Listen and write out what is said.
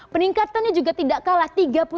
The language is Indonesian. peningkatannya juga tidak kalah